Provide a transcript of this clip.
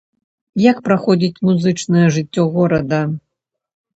Як праходзіць музычная жыццё горада?